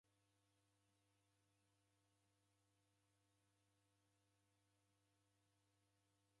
W'avi w'engi w'alemwa ni kuguya w'ai w'aw'o vifaa va meri.